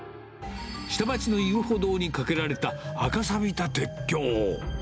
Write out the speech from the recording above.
下町の遊歩道に架けられた赤さびた鉄橋。